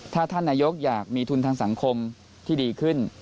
ถ้าท่านนายกอยากมีทุนทางสังคมที่ดีขึ้น